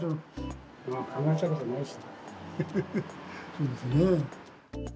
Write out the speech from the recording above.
そうですね。